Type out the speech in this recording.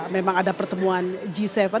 memang ada pertemuan g tujuh